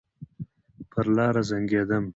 پر لار زنګېدم.